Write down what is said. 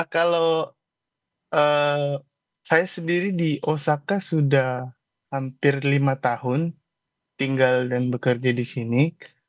kalau saya sendiri di osaka sudah hampir lima tahun tinggal dan bekerja di sini